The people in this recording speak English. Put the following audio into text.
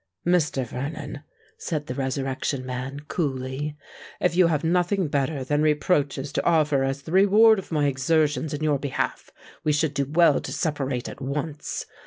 "Mr. Vernon," said the Resurrection Man, coolly, "if you have nothing better than reproaches to offer as the reward of my exertions in your behalf, we should do well to separate at once.